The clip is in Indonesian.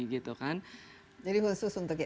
jadi khusus untuk